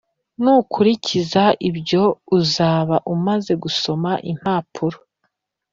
nukurikiza ibyo uzaba umaze gusoma Impapuro